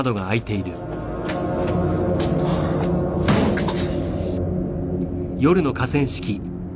クソ！